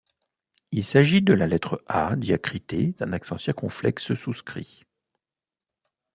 Il s’agit de la lettre A diacritée d’un accent circonflexe souscrit.